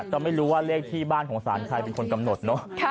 แต่ไม่รู้ว่าเลขที่บ้านของศาลใครเป็นคนกำหนดเนอะ